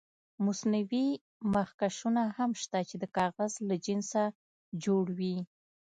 مصنوعي مخکشونه هم شته چې د کاغذ له جنسه جوړ وي.